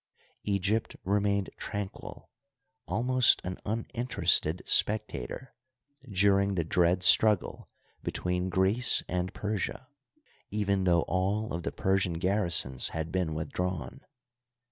Egypt remained tranquil, al most an uninterested spectator, during the dread struggle between Greece and Persia, even though all of the Persian garrisons had been withdrawn.